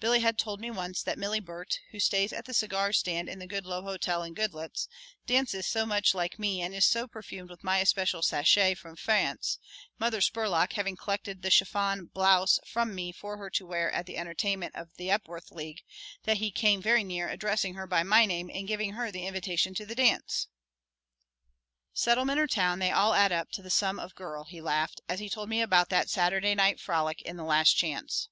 Billy had told me once that Milly Burt, who stays at the cigar stand in the Goodloe Hotel in Goodloets, dances so much like me and is so perfumed with my especial sachet from France, Mother Spurlock having collected the chiffon blouse from me for her to wear at the entertainment of the Epworth League, that he came very near addressing her by my name in giving her the invitation to the dance. "Settlement or Town, they all add up to the sum of girl," he laughed, as he told me about that Saturday night frolic in the Last Chance.